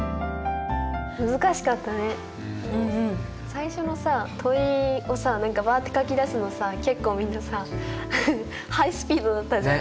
最初のさ問いをさ何かバッて書き出すのさ結構みんなさハイスピードだったじゃん。